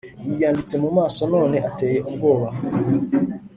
Yiyanditse mu maso none ateye ubwoba